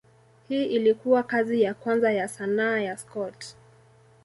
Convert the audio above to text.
Hii ilikuwa kazi ya kwanza ya sanaa ya Scott.